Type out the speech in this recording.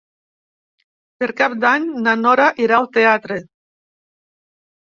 Per Cap d'Any na Nora irà al teatre.